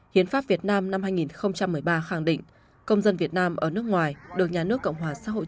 hiến pháp việt nam năm hai nghìn một mươi ba khẳng định công dân việt nam ở nước ngoài được nhà nước cộng hòa xã hội